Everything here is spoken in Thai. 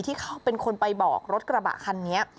ที่เขาเป็นคนไปบอกรถกระบะคันนี้